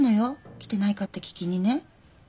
来てないかって聞きにね。